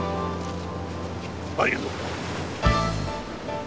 ありがとう。